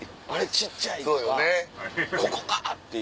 小っちゃい！」とか「ここか！」っていう。